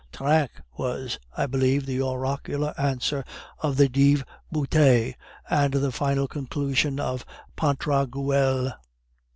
Trinq was, I believe, the oracular answer of the dive bouteille and the final conclusion of Pantagruel."